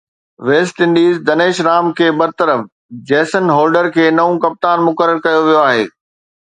west Indies Denesh Ram کي برطرف، Jason Holder کي نئون ڪپتان مقرر ڪيو ويو آهي